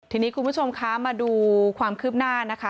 ทีนี้คุณผู้ชมคะมาดูความคืบหน้านะคะ